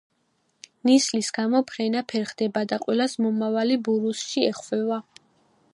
ნისლის გამო ფრენა ფერხდება და ყველას მომავალი ბურუსში ეხვევა.